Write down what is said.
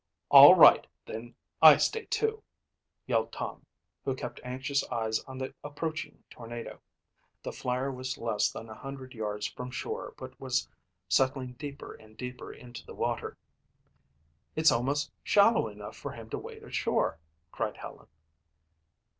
"All right, then I stay too," yelled Tom, who kept anxious eyes on the approaching tornado. The Flyer was less than a hundred yards from shore but was settling deeper and deeper into the water. "It's almost shallow enough for him to wade ashore," cried Helen.